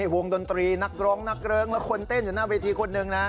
วงดนตรีนักร้องนักร้องและคนเต้นอยู่หน้าเวทีคนหนึ่งนะครับ